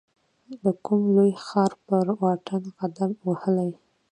د کوم لوی ښار پر واټو قدم وهلی